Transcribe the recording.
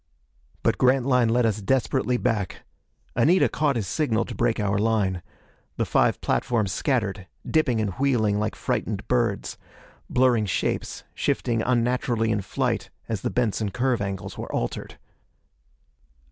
But Grantline led us desperately back. Anita caught his signal to break our line. The five platforms scattered, dipping and wheeling like frightened birds blurring shapes, shifting unnaturally in flight as the Benson curve angles were altered.